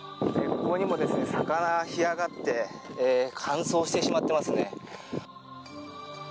ここにも、魚が干上がって乾燥してしまっていますね。